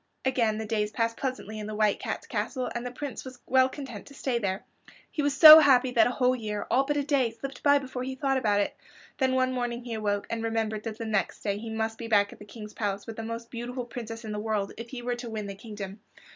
Again the days passed pleasantly in the White Cat's castle, and the Prince was well content to stay there. He was so happy that a whole year, all but a day, slipped by before he thought about it. Then one morning he awoke, and remembered that the next day he must be back at the King's palace with the most beautiful princess in the world, if he were to win the kingdom.